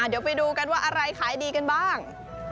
เดี๋ยวไปดูกันว่าอะไรขายดีกันบ้าง